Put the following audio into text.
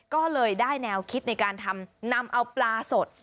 ก็เลยได้แนวคิดในการทำนำเอาปลาสด